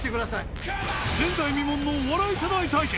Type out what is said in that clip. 前代未聞のお笑い世代対決